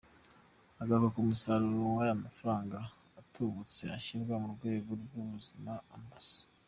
Agaruka ku musaruro w’aya mafaranga atubutse ashyirwa mu rwego rw’Ubuzima, Amb.